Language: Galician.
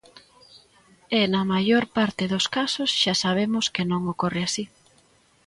E, na maior parte dos casos, xa sabemos que non ocorre así.